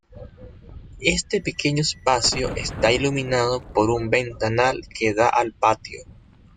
Este pequeño espacio está iluminado por un ventanal que da al patio.